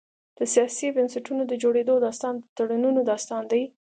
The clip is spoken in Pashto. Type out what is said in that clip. د سیاسي بنسټونو د جوړېدو داستان د تړونونو داستان دی.